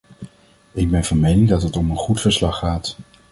Ik ben van mening dat het om een goed verslag gaat.